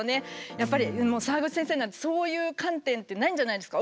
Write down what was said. やっぱりもう澤口先生なんてそういう観点ってないんじゃないですか？